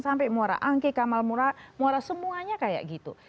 sampai muara angki kamalmura muara semuanya kayak gitu